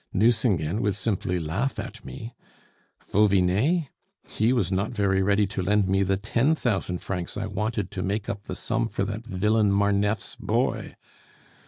Nucingen would simply laugh at me! Vauvinet? he was not very ready to lend me the ten thousand francs I wanted to make up the sum for that villain Marneffe's boy.